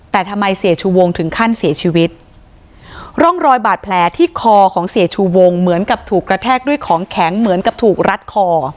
แต่ทำไมเสียชูวงถึงขั้นเสียชีวิตร่องรอยบาดแผลที่คอของเสียชูวงเหมือนกับถูกกระแทกด้วยของแข็งเหมือนกับถูกรัดคอ